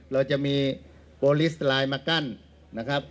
เราจะมีโปรลิสไลน์มากั้นนะครับ